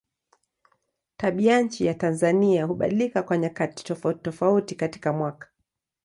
Tabianchi ya Tanzania hubadilika kwa nyakati tofautitofauti katika mwaka.